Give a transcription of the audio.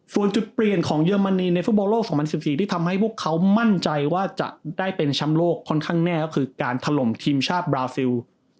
ส่วนจุดเปลี่ยนของเยอรมนีในฟุตบอลโลก๒๐๑๔ที่ทำให้พวกเขามั่นใจว่าจะได้เป็นแชมป์โลกค่อนข้างแน่ก็คือการถล่มทีมชาติบราซิล